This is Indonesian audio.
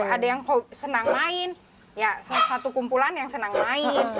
ada yang senang main ya satu kumpulan yang senang main